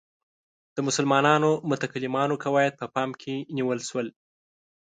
د مسلمانو متکلمانو قواعد په پام کې نیول شو.